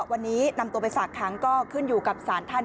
วันนี้นำตัวไปฝากค้างก็ขึ้นอยู่กับสารท่าน